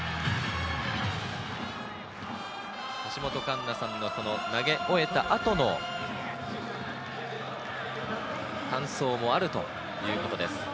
橋本環奈さんの投げ終えた後の感想もあるということです。